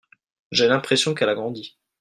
j'ai l'impression qu'elle a grandie.